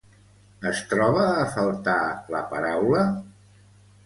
Es troba a faltar la paraula?